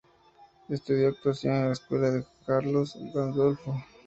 Estudió actuación en la escuela de Carlos Gandolfo.